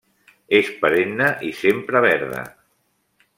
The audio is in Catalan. És perenne i sempre verda.